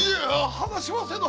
離しませぬ！